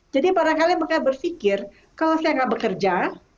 jadi barangkali mereka berpikir kalau saya tidak bekerja